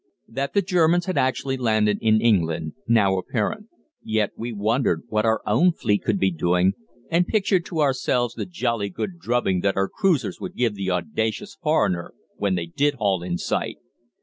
"That the Germans had actually landed in England now apparent; yet we wondered what our own fleet could be doing, and pictured to ourselves the jolly good drubbing that our cruisers would give the audacious foreigner when they did haul in sight.